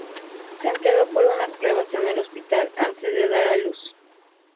Se enteró por unas pruebas en el hospital antes de dar a luz.